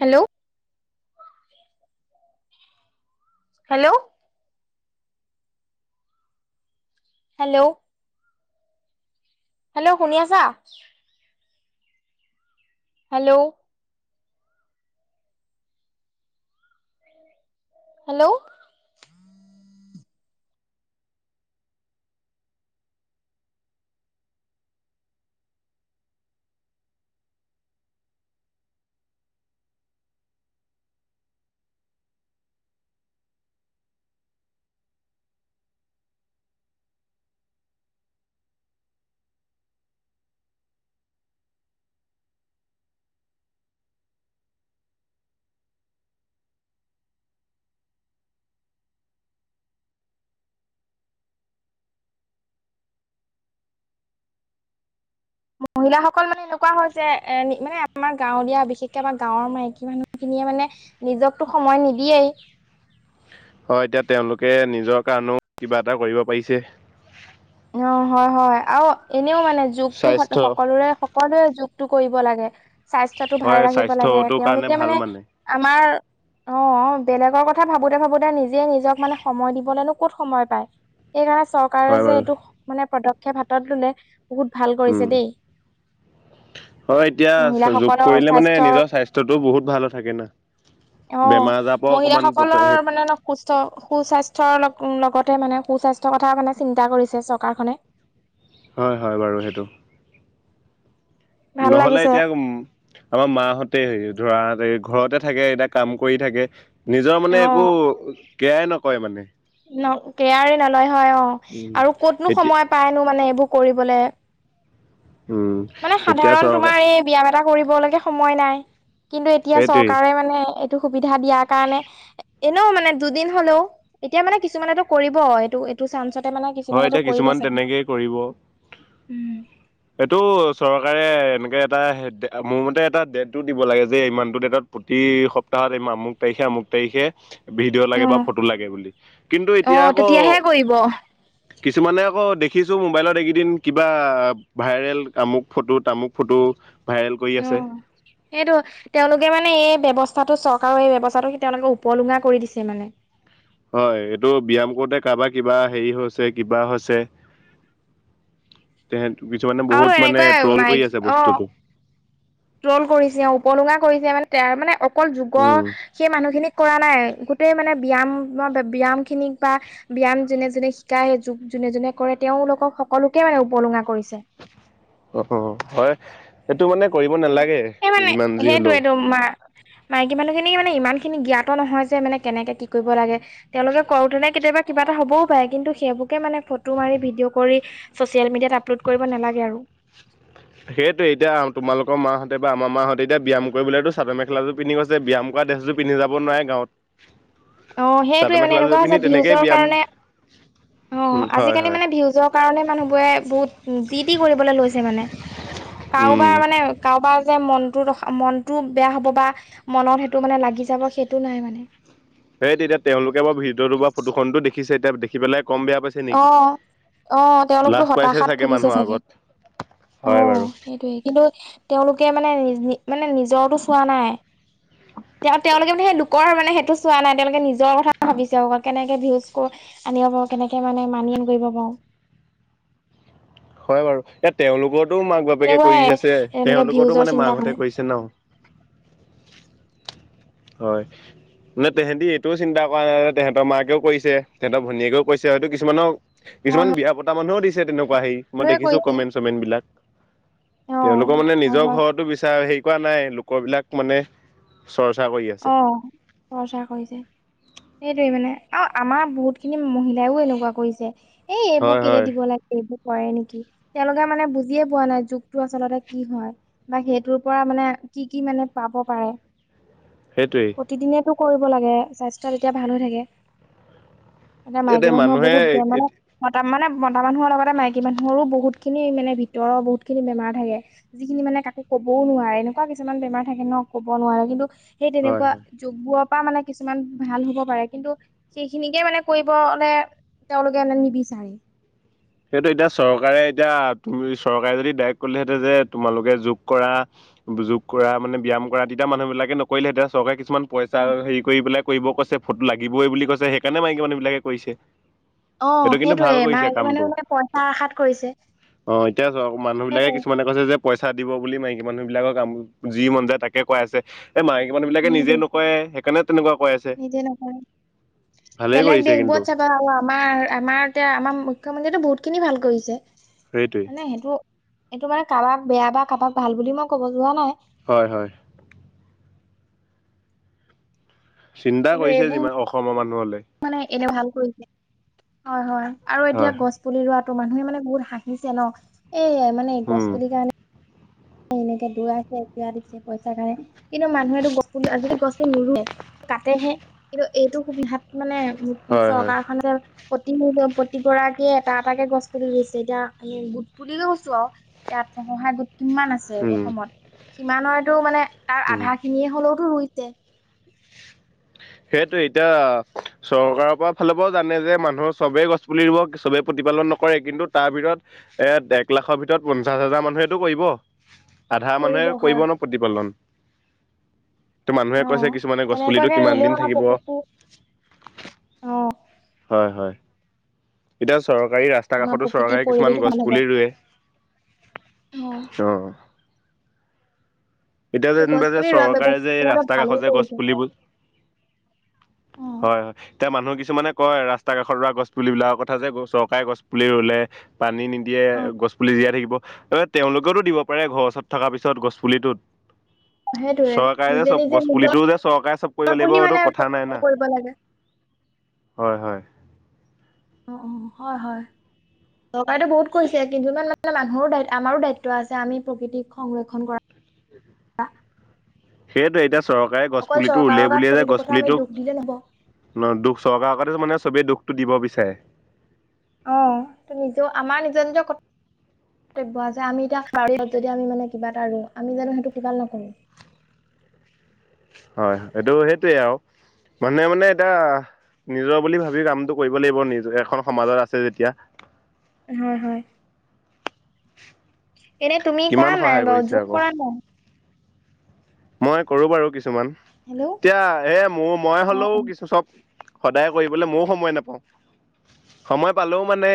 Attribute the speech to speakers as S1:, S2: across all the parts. S1: Hello hello hello hello শুনি আছা hello hello
S2: [unintelligible]
S1: মহিলাসকল মানে এনেকুৱা হয় যে মানে আমাৰ গাঁৱলীয়া বিশেষকৈ আমাৰ গাঁৱৰ মাইকী মানুহখিনিয়ে মানে নিজকতো সময় নিদিয়েই
S2: হয় এতিয়া তেওঁলোকে নিজৰ কাৰণেও কিবা এটা কৰিব পাৰিছে
S1: অ হয় হয় আৰু এনেও মানে যুগটো
S2: স্বাস্থ্য
S1: সকলোৰে সকলোৰে যগ টো কৰিব লাগে স্বাস্থ্যতটো ভালে
S2: হয়
S1: ৰাখিব লাগে
S2: স্বাস্থ্যটোৰ কাৰণে
S1: তেওঁলোকে
S2: ভাল
S1: মানে আমাৰ
S2: [unintelligible]
S1: অ বেলেগৰ কথা ভাবোতে ভাবোতে নিজে নিজক মানে সময় দিবলেনো ক'ত সময় পায় সেইকাৰণে চৰকাৰে
S2: হয়
S1: যে
S2: বাৰু
S1: এইটো মানে পদক্ষেপ হাতত ললে বহুত ভাল কৰিছে দেই
S2: অ এতিয়া যোগ
S1: মহিলাসকলৰ
S2: কৰিলে মানে
S1: স্বাস্থ্যৰ
S2: নিজৰ স্বাস্থ্যটোও বহুত ভাল থাকে না
S1: অ
S2: বেমাৰ আজাৰৰ পৰা অকণমান পত
S1: মহিলাাসকলৰ মানে অলপ সুস্থ সুস্বাস্থ্যৰ অলপ উ লগতে মানে সুস্বাস্থ্যৰ কথা মানে চিন্তা কৰিছে চৰকাৰখনে
S2: হয় হয় বাৰু সেইটো
S1: ভাল
S2: নহলে
S1: লাগিছে
S2: এতিয়া উম আমাৰ মাহতে হ ধৰা ঘৰতে থাকে এতিয়া কাম কৰি থাকে নিজৰ
S1: অ
S2: মানে একো কেয়াই নকৰে মানে
S1: কেয়াৰে নলয় হয় অ
S2: উম,
S1: আৰু ক'তনো
S2: এতিয়া
S1: সময় পাইনো মানে এইবোৰ কৰিবলৈ
S2: উম
S1: মানে
S2: এতিয়া
S1: সাধাৰণ
S2: চৰকাৰ
S1: তোমাৰ এই ব্যায়াম এটা কৰিবে সময় নাই কিন্তু এতিয়া
S2: সেইটোৱেই
S1: চৰকাৰে মানে এইটো সুবিধা দিয়াৰ কাৰণে এনেও মানে দুদিন হলেও এতিয়া মানে কিছুমানেতটো কৰিব এইটো এইটো চানসতে মানে
S2: হয়
S1: কিছুমানটো
S2: এতিয়া
S1: কৰিব
S2: কিছুমান
S1: চাগে
S2: তেনেকেই
S1: উম
S2: টো চৰকাৰে এনেকৈ এটা মোৰ মতে এটা ডেটটো দিব লাগে যে ইমানটো ডেটত প্ৰতি এই সপ্তাহত এই আমুক তাৰিখে আমুক তাৰিখে ভিডিঅ' লাগে
S1: অ
S2: বা ফটো লাগে বুলি কিন্তু
S1: অ
S2: এতিয়া আকৌ
S1: তেতিয়াহে কৰিব
S2: কিছুমানে আকৌ দেখিছো মোবাইলত এইকেইদিন কিবা ভাইৰেল আমুক ফটো তামুক ফটো ভাইৰেল কৰি
S1: অ
S2: আছে
S1: সেইটো তেওঁলোকে মানে এই ব্যৱস্থা স্থ চৰকাৰৰ এই ব্যৱস্থাটো তেওঁলোকে উপলুঙা কৰি দিছে মানে
S2: হয় এইটো ব্যয়াম কৰোতে কাৰবাৰ কিবা হেৰি হৈছে কিবা হৈছে তেহে কিছুমানে
S1: আৰু
S2: বহুত মানে
S1: এনেকুৱাই
S2: ট্ৰল কৰি আছে বস্তুটো
S1: ্ৰল কৰিছে উপলুঙা কৰিছে মানে তাৰ মানে অকল যুগৰ
S2: উম
S1: সেই মানুহখিনিক কৰা নাই গোটেই মানে ব্যায়াম ব্যায়াম খিনিক বা ব্যায়াম যেনে যেনে শিকায় যগ যোনে যোনে কৰে তেওঁলোকক সকলোকে মানে উপলুঙা কৰিছে
S2: উ হয়। টো মানে কৰিব নালাগে
S1: সেই মানে
S2: যিমান যি হলেও
S1: সেইটোৱেটো মা মাইকী মানুহ খিনি মানে ইমান খিনি জ্ঞাত নহয় যে মানে কেনেকে কি কৰিব লাগে তেওঁলোকে কৰোতেনেে কেতিয়াবা কিবা এটা হ'বও পাৰে কিন্তু সেইবুকে মানে ফটো মাৰি ভিডিঅ' কৰি চচিয়েল মিডিয়াত আপলোড কৰিব নালাগে আৰু
S2: উ সেইটো এতিয়া তোমালোকৰ মাহঁতে বা আমাৰ মাহঁতে এতিয়া ব্যাম কৰিবলৈটো চাদৰ মেখেলাটো পিন্ধিৈছে ব্যায়াম কৰা ড্ৰেছযোৰ পিন্ধি যাব নোৱাৰে গাঁৱত
S1: অ
S2: চাদৰ
S1: সেইটয়ে মানে এনেকুৱা
S2: মেখেলাযোৰ
S1: হৈছে
S2: পিন্ধি তেনেকেই
S1: ভিউজৰ
S2: ব্যায়াম
S1: কাৰণে অ
S2: উম, হয়
S1: আজিকালি
S2: হয়
S1: মানে ভিউজৰ কাৰণে মানুহ বোৰে বহুত যি টি কৰিবলৈ লৈছে মানে
S2: উম।
S1: কাৰোবাৰ মানে কাৰোবাৰ যে মনটো ৰখ মনতো বেয়া হ'ব বা মনত সেইটো মানে লাগি যাব সেইটো নাই মানে
S2: সেই তেতিয়া তেওঁলোকে মই ভিডিঅ' টো বা ফটোখনন ো দেখিছে এতিয়া দেখি পেলাই কম বেয়া পাইছে
S1: অ
S2: নেকি?
S1: অ তেওঁলোকতো
S2: লাজ পাইছে
S1: হতাশাত ভুগিছে
S2: মানুহৰ
S1: চাগে
S2: আগত
S1: অ
S2: হয় বাৰু।
S1: সেইটয়ে কিন্তু তেওঁলোকে মানে নি মানে নিজৰটো চোৱা নাই তেওঁ তেওঁলোকে মানে সেই লোকৰ মানে সেইটো চোৱা নাই তেওঁলোকে নিজৰ কথা ভাবিছে অকল কেনেকে ভউজো আনিব পাৰ কেনেকে মানে মানিয়ন কৰিব পাৰো
S2: হয় বাৰু এয়া তেওঁলোকৰ ো মাক বাপেকে কৰি
S1: তেনেকুৱাই
S2: আছে
S1: এনেকে
S2: তেওঁলোকতো
S1: ভিউজৰ
S2: মানে
S1: চিন্তা
S2: মাকঁতে
S1: কৰে
S2: কৰিছে ন হয় মানে তেহঁতি এইটোও চিন্তা কৰা নাই যে তেহেতৰ মাকেও কৰিছে তেহঁতৰ ভনীয়েকেও কৰিছে হয়তো কিছুমানৰ
S1: হয়
S2: কিছুমান
S1: হয়
S2: বিয়া পতা মানুহও দিছে তেনেকুৱা হি মই
S1: সকলোৱে
S2: দেখিছো
S1: কৰিছে
S2: কমেণ্ট চমেণ্ট বিলাক
S1: অ
S2: তেওঁলোকৰ মানে
S1: হয়
S2: নিজৰ
S1: হয়
S2: ঘৰতো বিচাৰ হেৰি কৰা নাই লোকৰ বিলাক মানে চৰ্চা কৰি আছে
S1: অ খৰচা কৰিছে সেইটোৱে মানে আৰু আমাৰ বহুত খিনি মহিলাইও এনেকুৱা কৰিছে এই এইবোৰ
S2: হয়
S1: কেলে
S2: হয়
S1: দিব লাগে এইব কৰে নেকি তেওঁলোকে মানে বুজিয়ে পোৱা নাই যুগটো আচলতে কি হয় বা সেইটোৰ পৰা মানে কি কি মানে পাব পাৰে
S2: সেইটোৱেই
S1: প্ৰতিদিনেতটো কৰিব লাগে স্বাস্থ্য তেতিয়া ভাল হৈ থাকে এতিয়া মাইকী মানুহৰ বহুত ব মানে মানে মদা মানুহৰ লগতে মাইকী মানুহৰো বহুত খিনি মানে ভিতৰৰ বহুত খিনি বেমাৰ থে যিখিনি মানে মে কাকো ক'বও নোৱাৰে এনেকুৱা কিছুমান বেমাৰ থাকে ন ক'ব নোৱাৰে কিন্তু সেই
S2: হয়
S1: তেনেকুৱা
S2: হয়
S1: যোগ বোৱা পৰা মানে কিছুমান ভাল হ'ব পাৰে কিন্তু সেইখিনিকে মানে কৰিবলে তেওঁলোকে নি বিছাৰে
S2: সেইটো এতিয়া চৰকাৰে এতিয়া তুমি চৰকাৰে যদি দায়ক কৰিলেহেহতে যে তোমালোকে যোগ কৰা যোগ কৰা মানে ব্যায়াম কৰা তেতিয়া মানুহ বিিলাকে নকৰিলে তেতিয়া চৰকাৰে কিছুমান পইচা হেৰি কৰি পেলাই কৰিব কৈছে ফটো লাগিবই বুলি কৈছে সেইকাৰণে মাৰক মানুে এইবলাকে কৰিছে
S1: অ
S2: এইটো কিন্তু
S1: সেইটোয়ে
S2: ভাল কৰিছে
S1: মাইকী মানুহে
S2: কামটো।
S1: মানে পইচা আশাত কৰিছে
S2: অ এতিয়া আ চ মানুহ বিলাকে
S1: সেইটোৱে
S2: কিছুমানে কৈছে যে পইচা দিব বুলি মাইক মানুহ বিলাকৰ কাম যি মন যায় তাকে কৈ আছে এই মাইকী মানুহবিলাকে নিজে
S1: সেইটোৱে
S2: নকৰে সেইকাৰণে তেনেকুৱা কৈ আছে।
S1: নিজে নাপায়
S2: ভালেই
S1: বেলেগ
S2: কৰিছে
S1: দেশ
S2: কিন্তু
S1: বত চাবা আৰু আমাৰ আমাৰ এতিয়া আমাৰ শ মন্দিয়টো বহুত খিনি ভাল কৰিছে
S2: সেইটোৱে
S1: মানে সেইটো এইটো মানে কাৰোবাক বেয়া বা কাৰোবাক ভাল বুলি মই কব যোৱা নাই
S2: হয় হয় চিন্তা
S1: কিন্তু
S2: কৰিছে
S1: এইবোৰ
S2: যিমান অসমৰ মানুহলে
S1: মানে এনে ভাল কৰিছে হয় হয় আৰু এতিয়া
S2: হয়
S1: গছ পুলি ৰ ত মানুহে মানে বহুত হাঁহিছে ন এ মানে গছ
S2: উম
S1: পুলি কাৰণে এনেকে দৌৰাইছে এ দিছে পইচাৰ কাৰণে কিন্তু মানুহেতো গ আজি গছ নে কাটেহে কিন্তু এইটো সুবিধাত মানে উ
S2: হয় হয়
S1: চৰকাৰ খনে যে প্ৰতি ম প্ৰতিগৰাকীয়ে এটা এটাকে গছ তুলি গৈছে এতিয়া আমি গোট পুলিকে গৈছো আৰু এতিয়া আ সহায় গোট কিমান আছে
S2: উম
S1: অসমত সিমানৰেতটো মানে তাৰ
S2: উম
S1: আধা খিনিয়ে হলেওতো ৰুই। য়।
S2: সেইয়েতটো এতিয়া চৰকাৰৰ পৰা ফালৰ পৰাও জানে যে মানুহ চবেই গছ পুলি দিব চবেই প্ৰতি প্ৰতিপালন নকৰে কিন্তু তাৰ ভিতৰত এ এক লাখৰ ভিতৰত পঞ্চাশ হাজাৰ মানুহেটো কৰিব। আধা মানুহে কৰিব ন প্ৰতিপালন? ত মানুহে
S1: অ
S2: কৈছে কিছুমানে গছপুলিতটো
S1: তেনেকুৱাকে
S2: কিমান দিন?
S1: ৰুলেও আমাৰ প্ৰকৃতি অ
S2: হয় হয় এতি চৰকাৰী ৰাস্তা
S1: আমাৰ
S2: কাষতো
S1: প্ৰকৃতিৰ
S2: চৰকাৰে কিছুমান
S1: পৰিৱেশটো
S2: গছ
S1: ভাল হ'ব
S2: পুলি ৰুৱে। অ। এতিয়া যে
S1: গছ
S2: যেনিবা যে
S1: পুলি ৰোৱা
S2: চৰকাৰে যে এই
S1: ব্যৱস্থা
S2: ৰাস্তা কাষত
S1: ভালেই
S2: যে গছ
S1: কৰিছে
S2: পুলিব হয়
S1: অ
S2: হয় এতিয়া মানুহ কিছুমানে কয় ৰাস্তাৰ কাষত ৰোৱা গছ পুলিবিলাকৰ কথা যে চৰকাৰে গছ পুলি ৰুলে পানী নি দিয়ে
S1: অ
S2: গছ পুলি জীয়াই থাকিব ত তেওঁলোকেওতো দিব পাৰে ঘৰৰ ওচৰত থকা পিছত গছ পুলিটোত। হয়।
S1: সেইটোয়ে
S2: চৰকাৰে যে
S1: নিজে
S2: চব
S1: নিজে
S2: গছ
S1: নিজৰ
S2: পুলিটো যে চৰকাৰে চব কৰিব লাগিব
S1: বুলি
S2: এইটো
S1: মানে
S2: কথা নাই না।
S1: কৰিব লাগে।
S2: হয় হয়।
S1: অ -অ হয় -হয়। চৰকাৰটো বহুত কৰিছে কিন্তু ইমান মানে মানুহৰো আমাৰো দায়িত্ব আছে আমি প্ৰকৃতিক সংৰক্ষণ কৰা। ত।
S2: সেইয়েতে এতিয়া চৰকাৰে গছপুলিটো উলিয়াই
S1: গাত
S2: বুলিয়ে যে
S1: প্ৰতিটো কথা আমি
S2: গছপুলিটোক
S1: দুখ দিলে নহ'ব।
S2: ন দুখ চৰকাৰ আগতে মানে চবেই দুখটো দিব বিচাৰে।
S1: অ ত নিজে আমাৰ নিজৰ নিজৰ ক পোৱা আমি এতিয়া যদি আমি মানে কিবা এটা আৰুো আমি জানো সেইটো কিবা নকৰো।
S2: হয় এইটো সেইটোৱে আৰু মানুহে মানে এতিয়া নিজৰ বুলি ভাবি কামটো কৰিব লাগিব নিজ এখন সমাজত আছে যেতিয়া।
S1: হয় হয়। এনেই তুমি
S2: কিমান
S1: কৰা নাই
S2: সহায়
S1: বাৰ
S2: কৰিছে
S1: যোগ
S2: আকৌ
S1: কৰা নাই।
S2: মই কৰো বাৰু কিছুমান
S1: হেল্ল'
S2: এতিয়া এ মোৰ মই
S1: অ',
S2: হলেও
S1: অ'।
S2: কিছু চব। সদায় কৰিবলৈ ময়ও সময় নাপাওঁ সময় পালেও মানে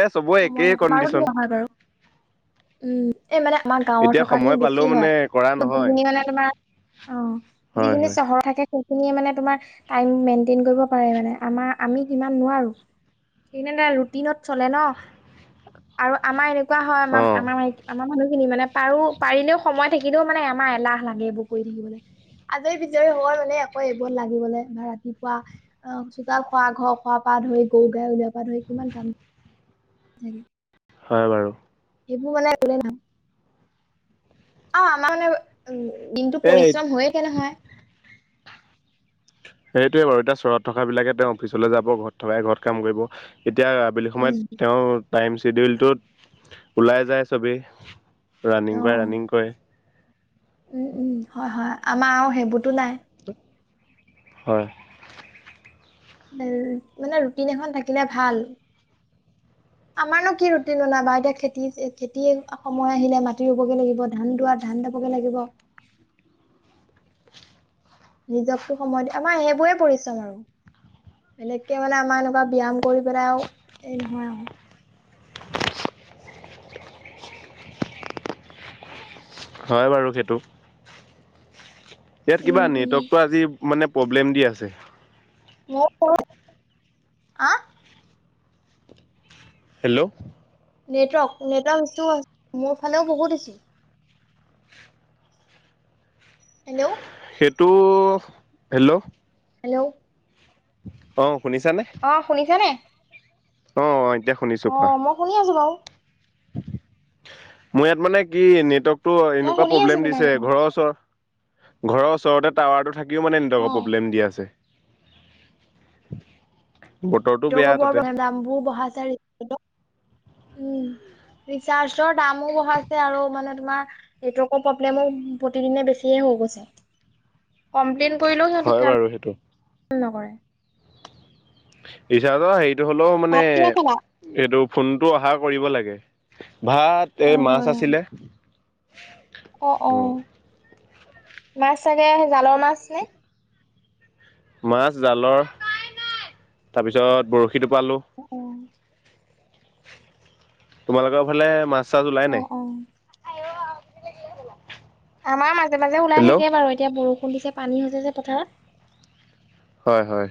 S2: এ চবৰে একেই
S1: সময়ত
S2: কণ্ডিচন
S1: বাৰো অহা বাৰু। উম এই মানে আমাৰ গাঁৱৰ
S2: এতিয়া
S1: থকা খিনি
S2: সময় পালেও
S1: বেছি
S2: মানে
S1: হয়।
S2: কৰা নহয়
S1: ম তোমাৰ অ
S2: হয়
S1: যিখিনি
S2: হয়
S1: চহৰ থাকে। সেইখিনিয়ে মানে তোমাৰ টাইম মেইনটেইন কৰিব পাৰে মানে আমাৰ আমি যিমান নোৱাৰো। সেইকাৰ ন ৰুটিনত চলে ন? আৰু আমাৰ এনেকুৱা হয়
S2: অ
S1: আমাৰ -আমাৰ -আমাৰ মানুহ। খিনি মানে পাৰো পাৰিলেও সময় থাকিলেও মানে এমাহ এলাহ লাগে এইবোৰ কৰি থাকিবলৈ। আজৰি বিজৰি হয় মানে আকৌ এইবোৰ লাগিবলৈ বা ৰাতিপুৱা অ চোতাল খোৱা ঘৰ খোৱা। পা ধৰি গৰু গাই উলৱা পা ধৰি কিমান কাম‌ থাকে।
S2: হয় বাৰু।
S1: সেইবোৰ মানেলে ন অ আমাৰ মানে উ দিনতটো
S2: এই
S1: পৰিশ্ৰম হয়য়েকে নহয়।
S2: সেইটোৱে বাৰু এতিয়া চহৰত থকা বিলাকে তেওঁ অফিচলৈ যাব ঘৰত থকাই ঘৰত কাম কৰিব। এতিয়া আবেলি সময়ত
S1: উম
S2: তেওঁ টাইম চ্বিডিউলটোত ওলাই যায় চবেই।
S1: অ
S2: ৰানিং কৰে বাই ৰানিং কৰে।
S1: উম উম হয় হয় আমাৰ আৰু সেইবোৰতো নাই।
S2: হয়।
S1: মানে ৰুটিন এখন থাকিলে ভাল। আমাৰ নো কি ৰুটিন বনাবা, এতিয়া খেতি খেতি সময় আহিলে মাটি ৰুবগে লাগিব ধান দুৱা ধান [unintelligible] লাগিব।
S2: [inaudible]
S1: নিজকটো সময়ত আমাৰ সেইবোৰে পৰিচম আৰু। এনেককে মানে আমাৰ এনেকুৱা ব্যায়াম কৰি পেলাই আৰু এই নহয় আৰু।
S2: হয় বাৰু সেইটো। ইয়াত
S1: উম
S2: কিবা
S1: উম
S2: নেটৱৰ্কটো আজি মানে প্ৰব্লেম দি আছে।
S1: [unintelligible] আ।
S2: হেল্ল'।
S1: নেটৱৰ্ক- নেটৱৰ্ক ইচছ্যু মোৰ ফালেও বহুত ইছ্যু। হেল্ল'।
S2: এইটো হেল্ল'।
S1: হেল্ল'।
S2: অ'।
S1: অ', শুনিছে নে।
S2: অ'।
S1: অ', মই শুনি আছো বাৰু।
S2: মোৰ ইয়াত মানে কি নেটৱৰ্কটো
S1: মই
S2: এনেকুৱা
S1: শুনি আছো
S2: প্ৰব্লেম
S1: তোমাৰ
S2: দিছে
S1: কথা
S2: ঘৰৰ ওচৰত ঘৰৰ ওচৰতে টাৱাৰটো থাকিও মানে
S1: অ
S2: নেটৱৰ্কৰ প্ৰব্লেম দি আছে। [inaudible] বতৰটো
S1: [unintelligible]
S2: বেয়া
S1: দামবোৰ
S2: তাতে
S1: বঢ়াইছে [unintelligible] উম। ৰিচাৰজৰ দামো বঢ়াইছে আৰু মানে তোমাৰ নেটৱৰ্কৰ প্ৰব্লেমো প্ৰতিদিনে বেছিয়ে হৈ কমপ্লেইন কৰিলেও সিহতি
S2: হয়
S1: কাম
S2: বাৰু সেইটো
S1: নকৰে।
S2: ৰিচাৰ্জৰ হেৰিটো হ'লেও মানে
S1: ভাত কিহে খালা?
S2: এইটো ফোনটো অহা কৰিব লাগে। ভাত এই
S1: অ',
S2: মাছ
S1: হয়,
S2: আছিলে।
S1: অ'- অ' মাছ চাগে জালৰ মাছ হে।
S2: মাছ জালৰ তাৰপিছত বৰশী টোপালোঁ।
S1: অ',
S2: তোমালোকৰ ফালে মাছ চাছ ওলাই
S1: অ',
S2: নাই।
S1: অ', আমাৰ মাজে- মাজে ওলাই
S2: হেল্ল'
S1: থাকে বাৰু এতিয়া বৰষুণ দিছে পানী হৈছে যে পথাৰত।
S2: হয়- হয়।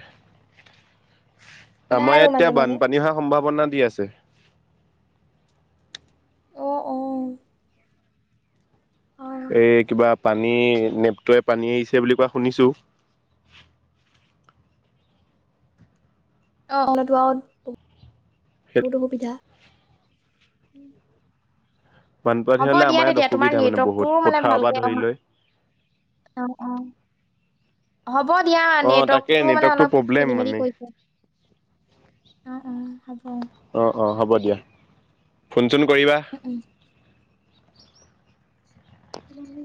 S1: ওলাই
S2: আমাৰ
S1: আৰু
S2: ইয়াত এতিয়া
S1: মাজে মাজে
S2: বানপানী হোৱাৰ সম্ভাৱনা দি আছে।
S1: অ'- অ'। হয়
S2: এই কিবা পানী নেপটয়ে পানী এৰিছে বুলি কোৱা শুনিছো। [inaudible]
S1: [unintelligible] বহুত অসুবিধা। উম।
S2: বানপানী
S1: হ'ব
S2: হলে
S1: দিয়া
S2: আমাৰ ইয়াত
S1: তেতিয়া তোমাৰ
S2: অসুবিধা মানে বহুত
S1: নেটৱৰ্কটোও মানে
S2: পথাৰৰ পৰা
S1: ভালকে
S2: ধৰি
S1: অহা
S2: লৈ
S1: অ'- অ', হ'ব হ'ব দিয়া
S2: অ তাকে
S1: নেটৱৰ্কটো মানে অলপ
S2: প্ৰব্লেম
S1: খেলি মেলি
S2: মানে
S1: কৰিছে, উম- উম।
S2: অ অ হ'ব দিয়া [unintelligible] কৰিবা।
S1: উম, উম